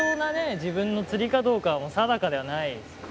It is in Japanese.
自分の釣りかどうかは定かではないですよね。